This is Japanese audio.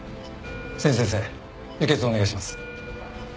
千住先生輸血をお願いします。